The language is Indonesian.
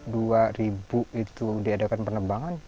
tahun dua ribu itu diadakan penebangan